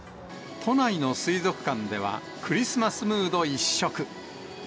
都内の水族館では、クリスマスムード一色。